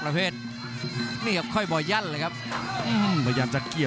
รับทราบบรรดาศักดิ์